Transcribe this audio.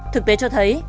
thực tế cho thấy